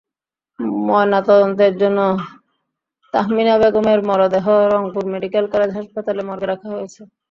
ময়নাতদন্তের জন্য তহমিনা বেগমের মরদেহ রংপুর মেডিকেল কলেজ হাসপাতাল মর্গে রাখা হয়েছে।